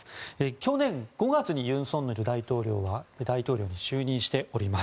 去年５月に尹錫悦大統領は大統領に就任しております。